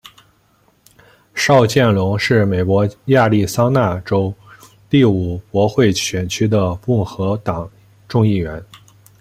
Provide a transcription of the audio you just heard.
邵建隆是美国亚利桑那州第五国会选区的共和党众议员。